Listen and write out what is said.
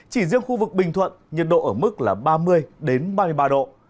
chỉ riêng khu vực bình thuận nhiệt độ ở mức là ba mươi ba mươi ba độ